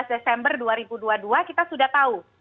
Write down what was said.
dua belas desember dua ribu dua puluh dua kita sudah tahu